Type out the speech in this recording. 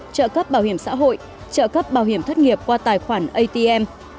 trợ cấp bảo hiểm xã hội trợ cấp bảo hiểm thất nghiệp qua tài khoản atm